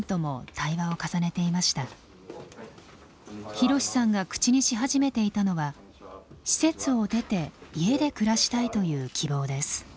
ひろしさんが口にし始めていたのは「施設を出て家で暮らしたい」という希望です。